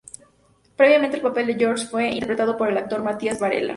Previamente el papel de Jorge fue interpretado por el actor Matias Varela.